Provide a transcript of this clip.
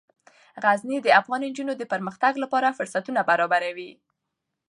غزني د افغان نجونو د پرمختګ لپاره فرصتونه برابروي.